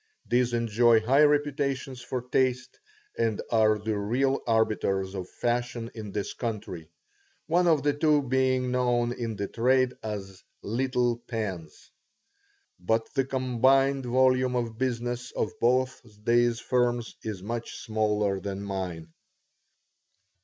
These enjoy high reputations for taste and are the real arbiters of fashion in this country, one of the two being known in the trade as Little Pans; but the combined volume of business of both these firms is much smaller than mine.